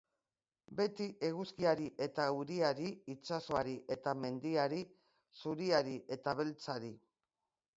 Bai eguzkiari eta euriari, itsasoari eta mendiari, zuriari eta beltzari.